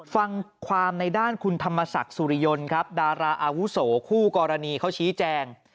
ฟังความในด้านคุณธรรมศักดิ์สุริยนต์ครับดาราอาวุโสคู่กรณีเขาชี้แจง